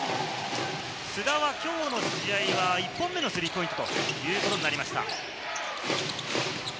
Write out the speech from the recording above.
須田はきょうの試合は１本目のスリーポイントということになりました。